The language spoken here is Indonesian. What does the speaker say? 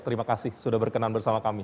terima kasih sudah berkenan bersama kami